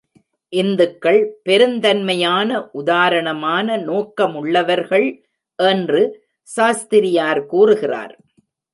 இந்துக்கள் பெருந்தன்மையான, உதாரணமான நோக்கமுள்ளவர்கள் என்று சாஸ்திரியார் கூறுகிறார்.